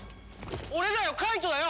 俺だよ介人だよ！